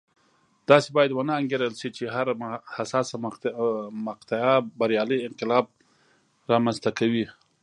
داسې باید ونه انګېرل شي چې هره حساسه مقطعه بریالی انقلاب رامنځته کوي.